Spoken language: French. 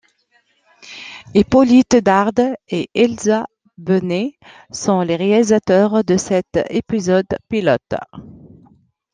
Hippolyte Dard et Elsa Bennet sont les réalisateurs de cet épisode pilote.